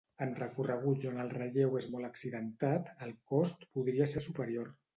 En recorreguts on el relleu és molt accidentat el cost podria ser superior.